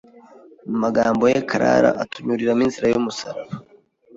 Mu magambo ye, Clara aratunyuriramo inzira y’umusaraba